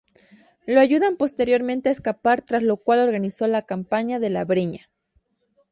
Lo ayudan posteriormente a escapar tras lo cual organizó la Campaña de la Breña.